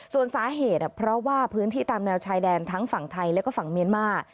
ส่วนสาเหตุเพราะว่าพื้นที่ตามแนวชายแดนทั้งฝั่งไทยและก็ฝั่งเมียนมาร์